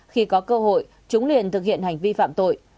khi có cơ hội chúng liền thực hiện trộm